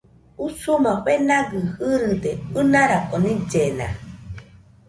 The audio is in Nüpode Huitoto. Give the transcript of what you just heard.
Usuma fenagɨ irɨde ɨnarako nillena